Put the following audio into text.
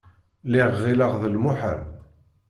Lliɣ ɣilleɣ d lmuḥal.